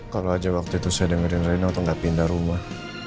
kalau aja waktu itu saya dengerin rena untuk gak pindah rumah